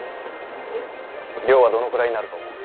量はどのくらいになると思う？